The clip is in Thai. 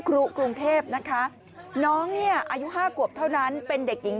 ครูกรุงเทพนะคะน้องเนี่ยอายุ๕ขวบเท่านั้นเป็นเด็กหญิง